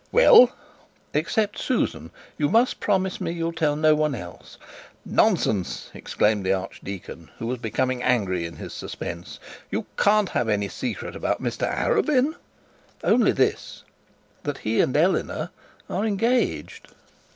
'Well.' 'Except Susan. You must promise me you'll tell no one else?' 'Nonsense!' exclaimed the archdeacon, who was becoming angry in his suspense. 'You can't have any secret about Mr Arabin.' 'Only this that he and Eleanor are engaged.'